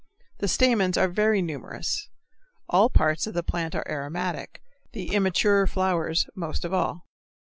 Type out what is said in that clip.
The stamens are very numerous. All parts of the plant are aromatic, the immature flowers most of all.